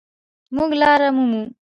مونږ لاره مومو